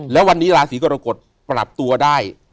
แล้ววันนี้ราศีกรกฎปรับตัวได้